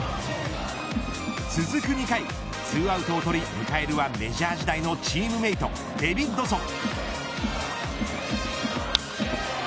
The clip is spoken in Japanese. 続く２回２アウトを取り迎えるはメジャー時代のチームメートデビッドソン。